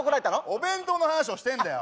お弁当の話をしてんだよ。